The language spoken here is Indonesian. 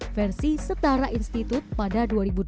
versi setara institut pada dua ribu delapan belas